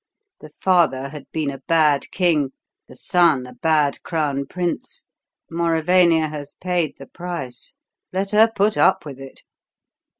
The father had been a bad king, the son a bad crown prince. Mauravania has paid the price. Let her put up with it!